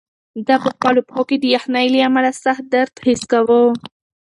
ده په خپلو پښو کې د یخنۍ له امله سخت درد حس کاوه.